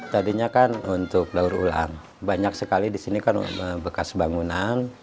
tadinya kan untuk laur ulang banyak sekali disini kan bekas bangunan